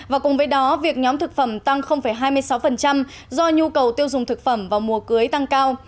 và cùng với đó việc nhóm thực phẩm tăng hai mươi sáu do nhu cầu tiêu dùng thực phẩm vào mùa cưới tăng cao